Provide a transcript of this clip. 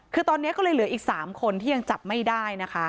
คือตอนนี้ก็เลยเหลืออีก๓คนที่ยังจับไม่ได้นะคะ